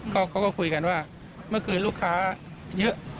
เขาก็คุยกันว่าเมื่อคืนลูกค้าเยอะ